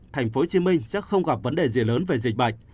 tp hcm sẽ không gặp vấn đề gì lớn về dịch bệnh